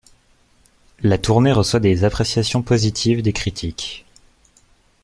La tournée reçoit des appréciations positives des critiques.